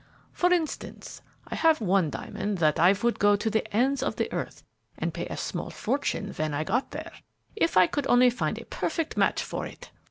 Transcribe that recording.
For instance, I have one diamond that I would go to the ends of the earth and pay a small fortune when I got there, if I could only find a perfect match for it!"